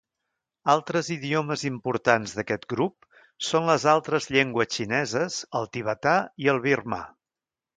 Altres idiomes importants d'aquest grup són les altres llengües xineses, el tibetà i el birmà.